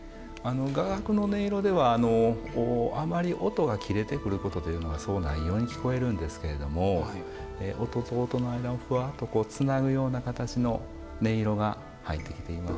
雅楽の音色ではあまり音が切れてくることというのはそうないように聞こえるんですけれども音と音の間のフワッとこうつなぐような形の音色が入ってきています。